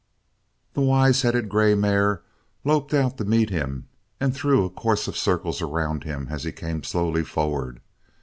The wise headed grey mare loped out to meet him and threw a course of circles around him as he came slowly forward.